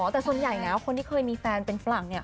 แต่ส่วนใหญ่คนที่เคยมีแฟนเป็นฝรั่งเนี่ย